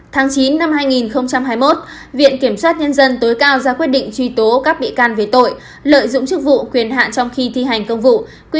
tháng chín năm hai nghìn hai mươi một viện kiểm sát nhân dân tối cao ra quyết định truy tố các bị can về tội lợi dụng chức vụ quyền hạn trong khi thi hành công vụ